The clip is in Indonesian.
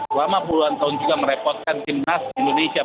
selama puluhan tahun juga merepotkan timnas indonesia